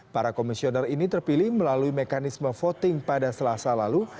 para komisioner ini terpilih melalui mekanisme voting pada selasa lalu